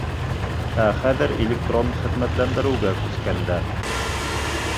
Ә хәҙер электрон хеҙмәтләндереүгә күскәндәр.